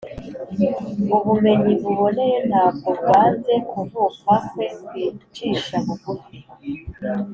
ubumenyi buboneye ntabwo bwanze kuvuka kwe kwicisha bugufi,